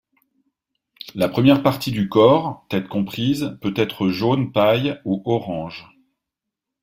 La première partie du corps, tête comprise, peut être jaune paille ou orange.